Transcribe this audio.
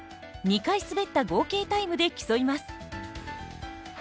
２回滑った合計タイムで競います。